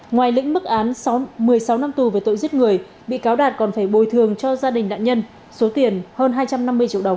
ngoài lĩnh mức án một mươi sáu năm tù về tội giết người bị cáo đạt còn phải bồi thường cho gia đình nạn nhân số tiền hơn hai trăm năm mươi triệu đồng